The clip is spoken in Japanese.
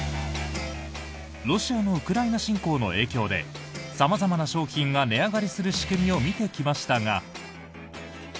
ロシアのウクライナ侵攻の影響で様々な商品が値上がりする仕組みを見てきましたが。